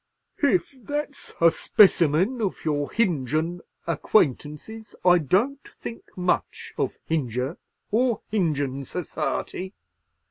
"Hif that's a spessermin of your Hinjun acquaintances, I don't think much of Hinjur or Hinjun serciety.